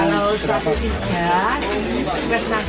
kalau satu tiga plus nasi plus sayur rp dua puluh satu